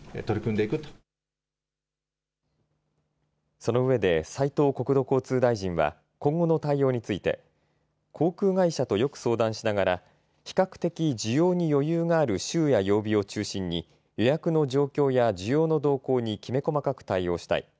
そのうえで斉藤国土交通大臣は今後の対応について航空会社とよく相談しながら比較的需要に余裕がある週や曜日を中心に予約の状況や需要の動向にきめ細かく対応したい。